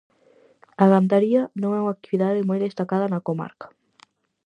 A gandaría non é unha actividade moi destacada na comarca.